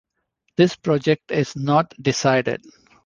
This project is not decided.